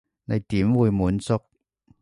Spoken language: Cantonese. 你點會滿足？